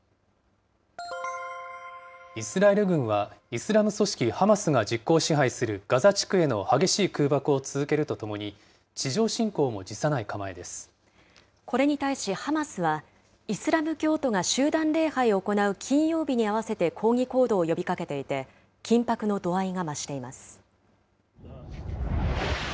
イスラエル軍は、イスラム組織ハマスが実効支配するガザ地区への激しい空爆を続けるとともに、これに対し、ハマスは、イスラム教徒が集団礼拝を行う金曜日に合わせて抗議行動を呼びかけていて、緊迫の度合いが増しています。